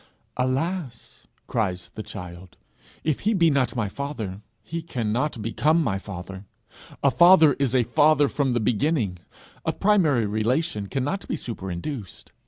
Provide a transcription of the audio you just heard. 'Alas!' cries the child, 'if he be not my father, he cannot become my father. A father is a father from the beginning. A primary relation cannot be superinduced.